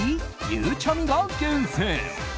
ゆうちゃみが厳選。